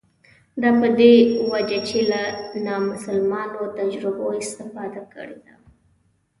دا په دې وجه چې له نامسلمانو تجربو استفاده کړې ده.